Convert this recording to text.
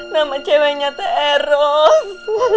nama ceweknya t eros